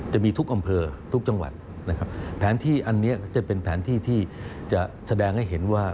จะมีทุกอำเภอทุกจังหวัดนะครับแผนที่อันนี้จะเป็นแผนที่ที่จะแสดงให้เห็นว่า